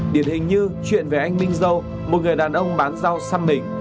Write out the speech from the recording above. điển hình như chuyện về anh minh dâu một người đàn ông bán rau xăm mình